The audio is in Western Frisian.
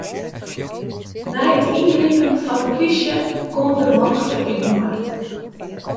Nei it yngripen fan 'e polysje gong de mannichte útinoar.